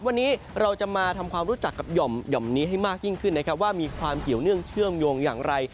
วันนี้เราจะมาทำความรู้จักกับหย่อมนี้ให้มากยิ่งขึ้นนะครับว่ามีความเกี่ยวเนื่องเชื่อมโยงอย่างไร